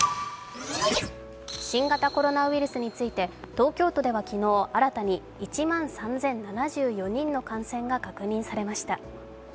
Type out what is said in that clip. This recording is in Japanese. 新型コロナウイルスについて東京都では昨日新たに１万３０７４人の感染が確認されました。